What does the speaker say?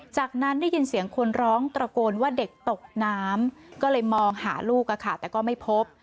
จากนั้นได้ยินเสียงคนร้องตระโกนว่าเด็กตกน้ำก็เลยมองหาลูกแต่ก็ไม่พบ